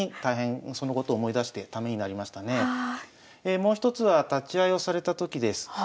もう一つは立会をされた時です。